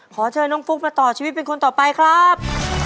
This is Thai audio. ขอเชิญน้องฟุ๊กมาต่อชีวิตเป็นคนต่อไปครับ